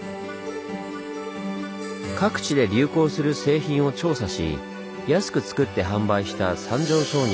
各地で流行する製品を調査し安くつくって販売した三条商人。